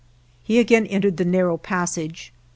He again entered the narrow pas sage.